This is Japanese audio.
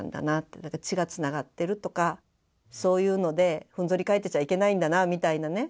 血がつながってるとかそういうのでふんぞり返ってちゃいけないんだなみたいなね。